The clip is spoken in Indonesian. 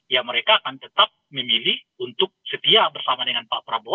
ya mereka akan tetap memilih untuk setia bersama dengan pak prabowo